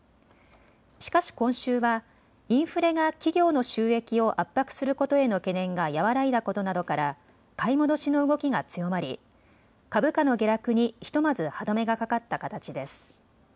しかし今週はインフレが企業の収益を圧迫することへの懸念が和らいだことなどから買い戻しの動きが強まり株価の下落にひとまず歯止めがかかった形です。